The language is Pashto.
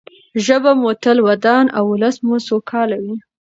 ژبه مو تل ودان او ولس مو سوکاله وي.